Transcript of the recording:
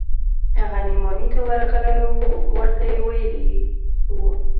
هغه نعماني ته ورغلى و ورته ويلي يې و.